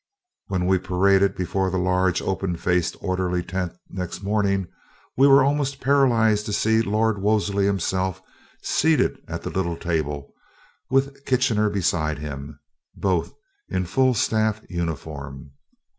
"When we paraded before the large open faced orderly tent next morning, we were almost paralyzed to see Lord Wolseley himself seated at the little table with Kitchener beside him, both in full staff uniform.